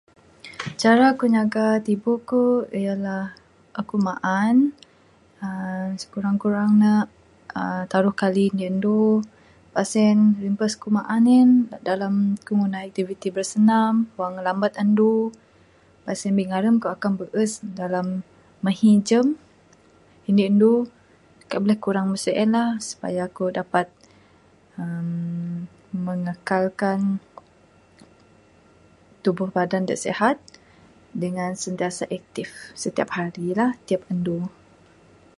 Cara ku nyaga tibu ku ialah aku maan uhh skurang kurang ne uhh taruh kali indi anu pas en rimpas ku maan en dalam ku ngunah aktiviti bersenam wang meh lambat anu pas en bingare ku akan bees dalam mahi jam indi anu kaik buleh kurang meng sien lah supaya aku dapat uhh mengekalkan tubuh badan da sihat dangan sentiasa active la tiap hari tiap andu.